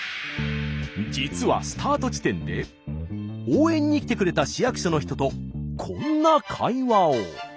実はスタート地点で応援に来てくれた市役所の人とこんな会話を。